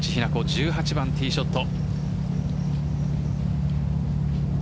１８番ティーショット。